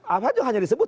apa aja hanya disebut